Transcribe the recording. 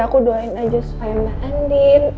aku doain aja soal mbak andin